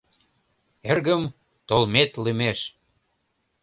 — Эргым, толмет лӱмеш!